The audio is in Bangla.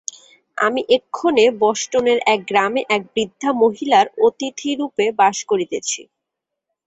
আমি এক্ষণে বষ্টনের এক গ্রামে এক বৃদ্ধা মহিলার অতিথিরূপে বাস করিতেছি।